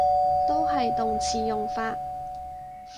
都係動詞用法